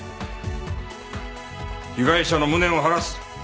被害者の無念を晴らす。